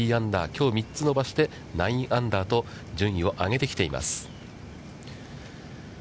きょう、３つ伸ばして９アンダーと順位を上げてきています。